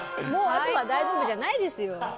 あとは大丈夫じゃないですよ。